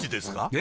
え？